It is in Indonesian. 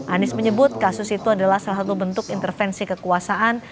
anies menyebut kasus itu adalah salah satu bentuk intervensi kekuasaan